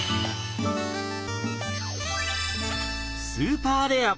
スーパーレア！